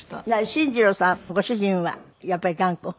進次郎さんご主人はやっぱり頑固？